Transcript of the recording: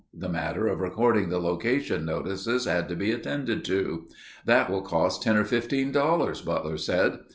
The matter of recording the location notices had to be attended to. "That will cost ten or fifteen dollars," Butler said.